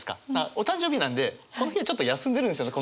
お誕生日なんでこの日はちょっと休んでるんですよね